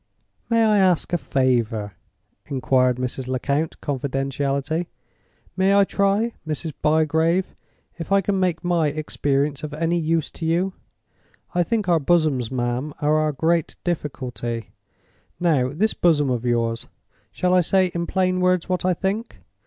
"May I ask a favor?" inquired Mrs. Lecount, confidentially. "May I try, Mrs. Bygrave, if I can make my experience of any use to you? I think our bosoms, ma'am, are our great difficulty. Now, this bosom of yours?—Shall I say in plain words what I think?